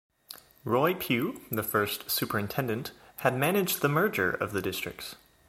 Roy Pugh, the first superintendent, had managed the merger of the districts.